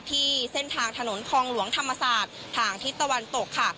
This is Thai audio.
ที่เส้นทางถนนคลองหลวงธรรมศาสตร์ทางทิศตะวันตกค่ะ